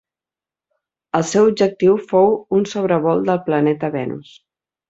El seu objectiu fou un sobrevol del planeta Venus.